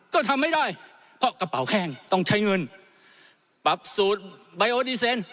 ก็ทำไม่ได้เพราะกระเป๋าแห้งต้องใช้เงินปรับสูตร